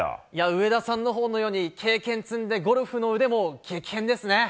上田さんのように経験も積んでゴルフの腕も激変ですね。